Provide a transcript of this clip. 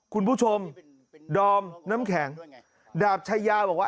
คุณผู้ชมดอมน้ำแข็งดาบชายาบอกว่า